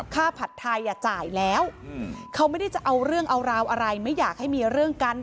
ผัดไทยจ่ายแล้วเขาไม่ได้จะเอาเรื่องเอาราวอะไรไม่อยากให้มีเรื่องกัน